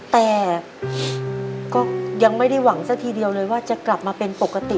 แต่ก็ยังไม่ได้หวังอยู่ที่กลับมาเป็นปกติ๑๐๐